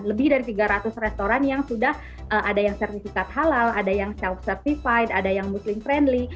lebih dari tiga ratus restoran yang sudah ada yang sertifikat halal ada yang self certified ada yang muslim friendly